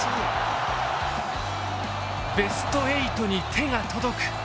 「ベスト８に手が届く」